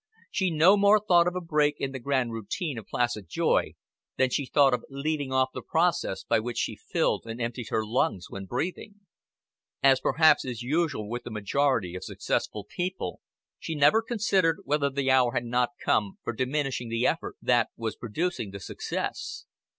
She no more thought of a break in the grand routine of placid joy than she thought of leaving off the process by which she filled and emptied her lungs when breathing. As perhaps is usual with the majority of successful people, she never considered whether the hour had not come for diminishing the effort that was producing the success.